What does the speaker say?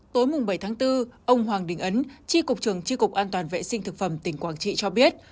tối bảy tháng bốn ông hoàng đình ấn tri cục trường tri cục an toàn vệ sinh thực phẩm tỉnh quảng trị cho biết